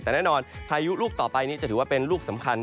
แต่แน่นอนพายุลูกต่อไปนี้จะถือว่าเป็นลูกสำคัญ